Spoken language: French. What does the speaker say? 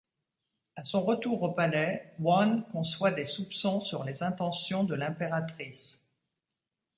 À son retour au palais, Wan conçoit des soupçons sur les intentions de l’impératrice.